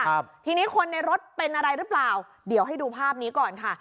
ครับทีนี้คนในรถเป็นอะไรหรือเปล่าเดี๋ยวให้ดูภาพนี้ก่อนค่ะ